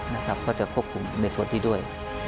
เพราะจะควบคุมในส่วนที่ด้วย